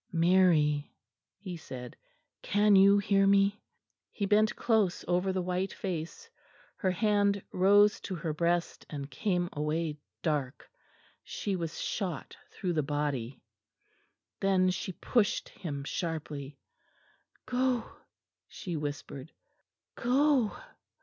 "Mary," he said, "can you hear me?" He bent close over the white face; her hand rose to her breast, and came away dark. She was shot through the body. Then she pushed him sharply. "Go," she whispered, "go."